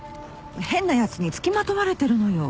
変なやつに付きまとわれてるのよ。